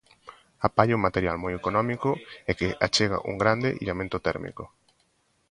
A palla é un material moi económico e que achega un grande illamento térmico.